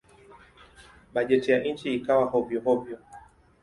Bajeti ya nchi ikawa hovyo-hovyo.